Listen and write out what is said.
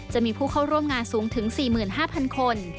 จะมีผู้เข้าร่วมงานสูงถึง๔๕๐๐คน